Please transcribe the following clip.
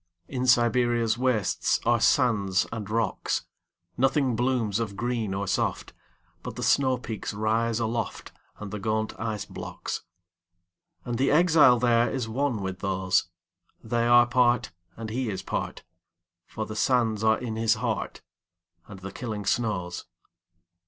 In Siberia's wastesAre sands and rocks. Nothing blooms of green or soft, But the snowpeaks rise aloftAnd the gaunt ice blocks. And the exile thereIs one with those; They are part, and he is part, For the sands are in his heart, And the killing snows.